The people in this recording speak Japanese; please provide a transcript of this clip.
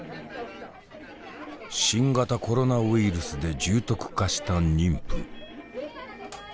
新型コロナウイルスで重篤化した妊婦。